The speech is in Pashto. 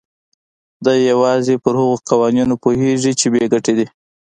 دی يوازې پر هغو قوانينو پوهېږي چې بې ګټې دي.